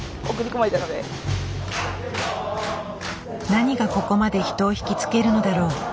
何がここまで人を惹きつけるのだろう？